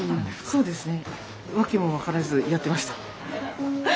そうですね。